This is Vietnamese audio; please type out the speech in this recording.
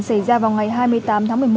xảy ra vào ngày hai mươi tám tháng một mươi một